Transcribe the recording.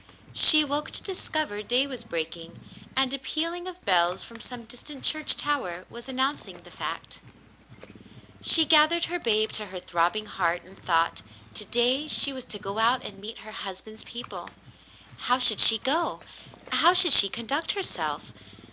She awoke to discover day was breaking, and a pealing of bells from some distant church tower was announcing the fact. She gathered her babe to her throbbing heart and thought, to day she was to go out and meet her husband's people. How should she go ? How should she conduct herself